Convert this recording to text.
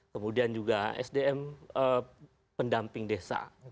kemudian juga sdm pendamping desa